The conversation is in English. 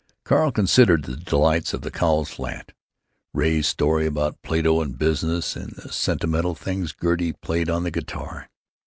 Carl considered the delights of the Cowles flat, Ray's stories about Plato and business, and the sentimental things Gertie played on the guitar.